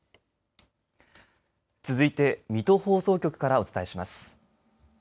続いて水戸放送局からお伝えします。